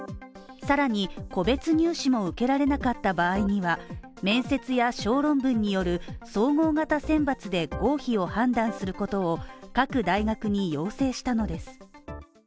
さらに、個別入試も受けられなかった場合には面接や小論文による総合型選抜で合否を判断することを各大学に要請したのです。